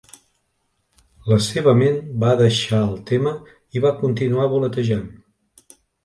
La seva ment va deixar el tema i va continuar voletejant.